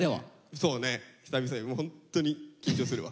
そうね久々にもうホントに緊張するわ。